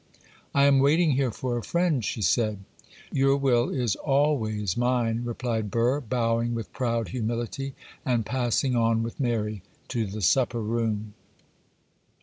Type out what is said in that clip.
'I am waiting here for a friend,' she said. 'Your will is always mine,' replied Burr, bowing with proud humility, and passing on with Mary to the supper room.